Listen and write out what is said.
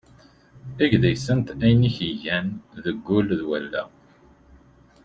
Eg deg-sent ayen i k-yellan deg wul d wallaɣ.